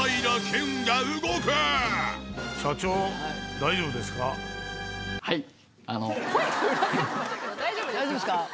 大丈夫ですか？